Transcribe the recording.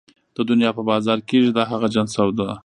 د دنيا په بازار کېږي د هغه جهان سودا